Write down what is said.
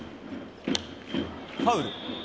ファウル。